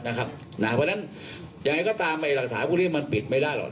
เพราะฉะนั้นยังไงก็ตามหลักฐานพวกนี้มันปิดไม่ได้หรอก